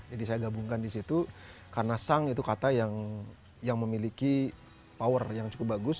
jadi saya gabungkan di situ karena sang itu kata yang memiliki power yang cukup bagus